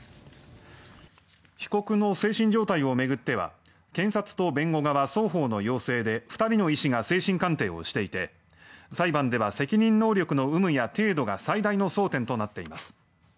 被告の精神状態を巡っては検察と弁護側、双方の要請で２人の医師が精神鑑定をしていて裁判では責任能力の有無や程度が最大の争点となっています。